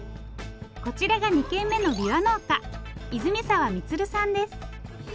こちらが２軒目のびわ農家和泉澤充さんです。